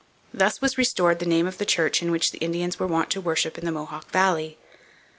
Thus was restored the name of the church in which the Indians were wont to worship in the Mohawk valley.